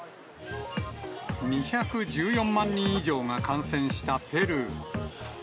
２１４万人以上が感染したペルー。